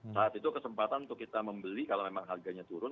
saat itu kesempatan untuk kita membeli kalau memang harganya turun